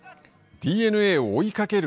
ＤｅＮＡを追いかける